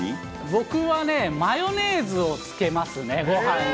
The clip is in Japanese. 僕はね、マヨネーズをつけますね、ごはんに。